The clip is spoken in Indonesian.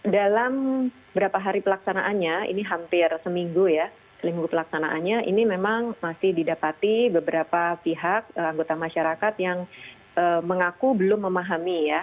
dalam beberapa hari pelaksanaannya ini hampir seminggu ya seminggu pelaksanaannya ini memang masih didapati beberapa pihak anggota masyarakat yang mengaku belum memahami ya